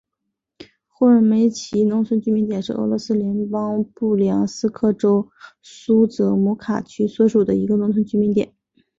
霍尔梅奇农村居民点是俄罗斯联邦布良斯克州苏泽姆卡区所属的一个农村居民点。